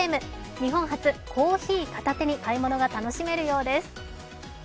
日本初、コーヒー片手に買い物が楽しめるようです。